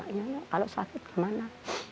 kalau sakit kemana